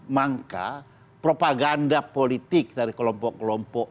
maka propaganda politik dari kelompok kelompok